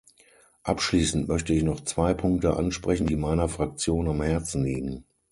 Abschließend möchte ich noch zwei Punkte ansprechen, die meiner Fraktion am Herzen liegen.